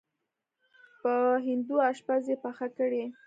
په هندو اشپز یې پخه کړې.